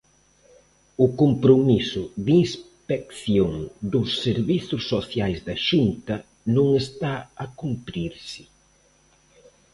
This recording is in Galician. O compromiso de inspección dos servizos sociais da Xunta non está a cumprirse.